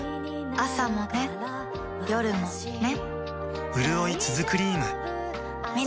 朝もね、夜もね